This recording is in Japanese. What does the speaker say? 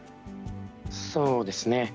そうですね。